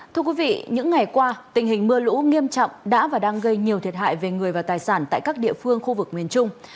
thưa quý vị những ngày qua tình hình mưa lũ nghiêm trọng đã và đang gây nhiều thiệt hại về người và tài sản tại các địa phương khu vực miền trung